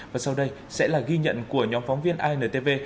và sau đây sẽ là ghi nhận của nhóm phóng viên intv